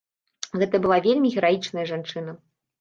Гэта была вельмі гераічная жанчына.